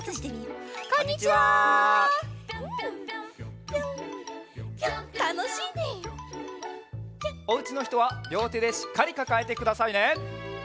「ぴょんぴょんぴょん」おうちのひとはりょうてでしっかりかかえてくださいね。